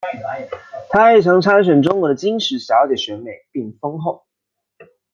她亦曾参选中国的金石小姐选美并封后。